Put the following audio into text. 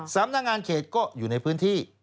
สำนักงานเขตก็อยู่ในพื้นที่